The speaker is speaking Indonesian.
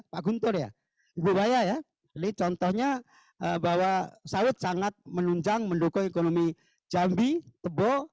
pak guntur ya ibu baya ya ini contohnya bahwa sawit sangat menunjang mendukung ekonomi jambi tebo